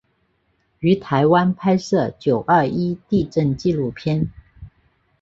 于台湾拍摄九二一地震纪录片。